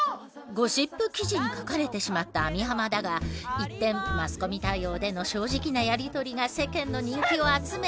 ゴシップ記事に書かれてしまった網浜だが一転マスコミ対応での正直なやり取りが世間の人気を集め。